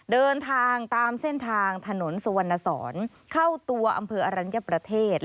เดินทางตามเส้นทางถนนสุวรรณสอนเข้าตัวอำเภออรัญญประเทศ